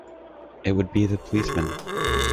It would be the policemen.